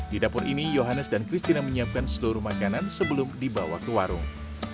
di dapur ini johannes dan christina menyiapkan seluruh makanan sebelum dibawa ke warung